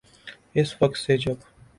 اس وقت سے جب